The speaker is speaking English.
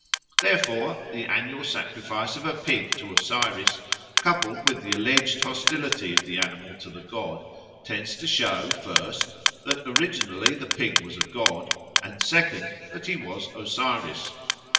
Therefore, the annual sacrifice of a pig to Osiris, coupled with the alleged hostility of the animal to the god, tends to show, first, that originally the pig was a god, and, second, that he was Osiris.